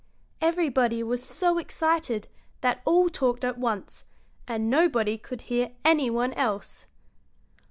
Everybody was so excited that all talked at once, and nobody could hear any one else.